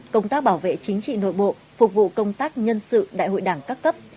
công tác bảo vệ chính trị nội bộ phục vụ công tác nhân sự đại hội đảng các cấp